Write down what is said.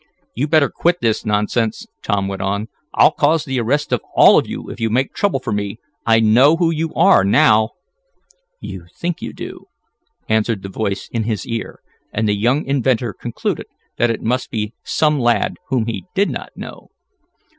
"You'd better quit this nonsense," Tom went on. "I'll cause the arrest of all of you if you make trouble for me. I know who you are now!" "You think you do," answered the voice in his ear, and the young inventor concluded that it must be some lad whom he did not know.